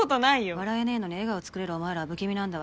笑えねぇのに笑顔つくれるお前らは不気味なんだわ。